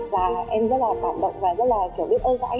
và em rất là cảm động và rất là kiểu biết ơn các anh ấy